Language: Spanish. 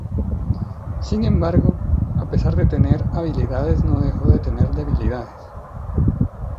Sin embargo, a pesar de tener habilidades no dejó de tener debilidades.